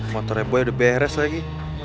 motornya buaya udah beres lagi